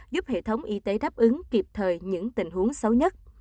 giúp hệ thống y tế đáp ứng kịp thời những tình huống xấu nhất